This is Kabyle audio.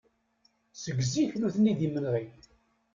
Seg zik nutni d imenɣi.